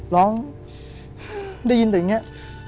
ร้องได้ยินแต่อย่างนี้